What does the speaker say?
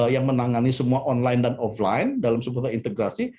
yang menangani semua online dan offline dalam sebuah integrasi